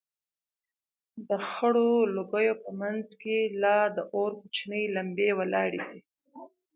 د خړو لوگيو په منځ کښې لا د اور کوچنۍ لمبې ولاړېدې.